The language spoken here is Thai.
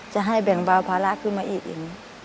จะให้แบ่งเบาภาระขึ้นมาอีกเอง